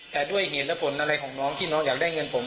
แต่ด้วยเหตุและผลอะไรของน้องที่น้องอยากได้เงินผม